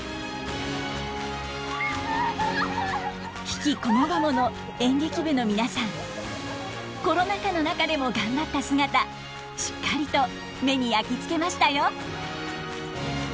悲喜こもごもの演劇部の皆さんコロナ禍の中でも頑張った姿しっかりと目に焼き付けましたよ。